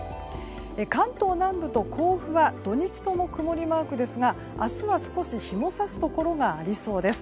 関東南部と甲府は土日とも曇りマークですが明日は少し日も差すところもありそうです。